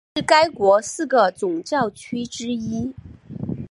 是该国四个总教区之一。